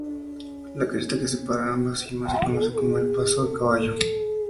La cresta que separa ambas cimas se conoce como "El Paso a Caballo".